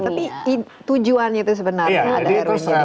tapi tujuan itu sebenarnya